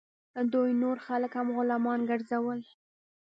دوی نور خلک هم غلامان ګرځول.